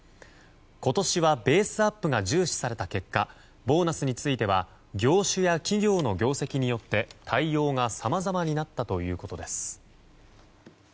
今年はベースアップが重視された結果ボーナスについては業種や企業の業績によって対応がさまざまになったということです。